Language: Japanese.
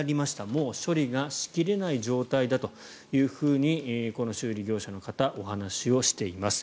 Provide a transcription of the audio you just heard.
もう処理しきれない状態だとこの修理業者の方お話をしています。